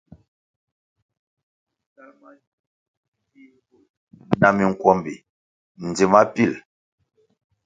Sal mangie dzih mbvúl na minkwombi ndzima pil.